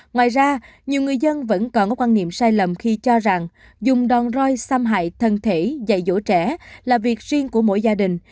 ngoài ra nhiều người dân vẫn còn có quan niệm sai lầm khi cho rằng dùng đòn roi xâm hại thân thể dạy dỗ trẻ là việc riêng của mỗi gia đình